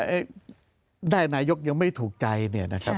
ในอย่างนายกยังไม่ถูกใจนะครับ